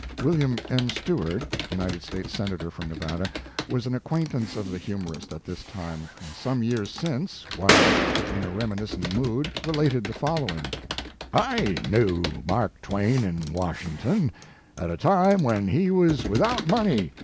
" William M. S lev/art, United States Senator from Nevada, was an acquaint ance of the humorist at this time, and some years since, while in a reminiscent mood, related the following: "I knew Mark Twain in Washington, at a time when he was without money.